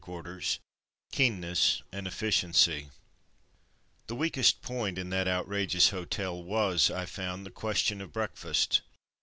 Q. — KEENNESS AND EFFICIENCY The weakest point in that outrageous hotel was, I found, the question of breakfast.